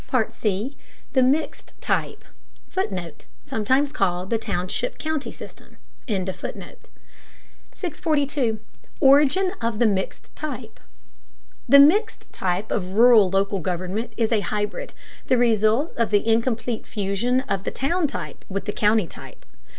C. THE MIXED TYPE [Footnote: Sometimes called the township county system.] 642. ORIGIN OF THE MIXED TYPE. The mixed type of rural local government is a hybrid, the result of the incomplete fusion of the town type with the county type.